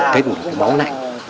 tết của cái máu này